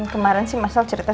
kemarin sih mas al cerita